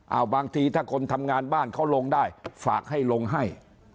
เอาบางทีถ้าคนทำงานบ้านเขาลงได้ฝากให้ลงให้